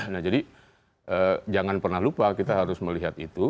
nah jadi jangan pernah lupa kita harus melihat itu